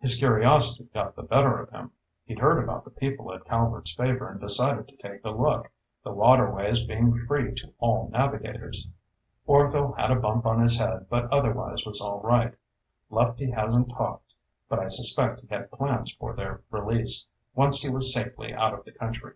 His curiosity got the better of him. He'd heard about the people at Calvert's Favor and decided to take a look, the waterways being free to all navigators. Orvil had a bump on his head, but otherwise was all right. Lefty hasn't talked, but I suspect he had plans for their release, once he was safely out of the country."